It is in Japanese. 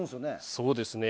そうですね。